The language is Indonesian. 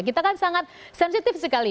kita kan sangat sensitif sekali